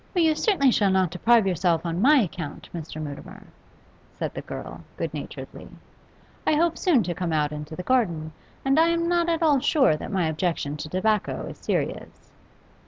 'Oh, you certainly shall not deprive yourself on my account, Mr. Mutimer,' said the girl, good naturedly. 'I hope soon to come out into the garden, and I am not at all sure that my objection to tobacco is serious.